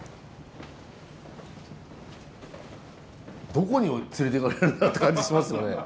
どこに連れて行かれるんだろうって感じしますよね。